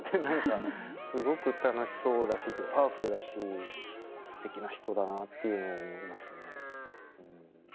何かすごく楽しそうだしパワフルだしすてきな人だなっていうのを思いますね。